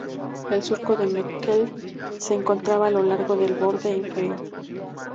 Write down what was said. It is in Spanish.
El surco de Meckel se encontraba a lo largo del borde inferior.